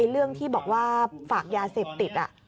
เรื่องที่บอกว่าฝากยาเสพติด